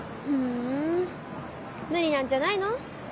ふん無理なんじゃないの？